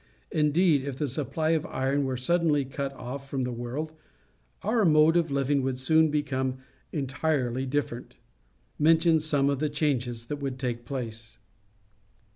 Indeed, if the supply of iron were suddenly cut off from the world, our mode of living would soon become entirely different. Mention some of the changes that would take place.